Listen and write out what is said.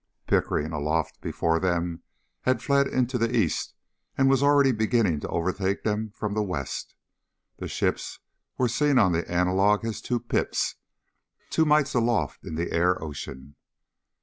Pickering, aloft before them, had fled into the east and already was beginning to overtake them from the west. The ships were seen on the analog as two pips, two mites aloft in the air ocean.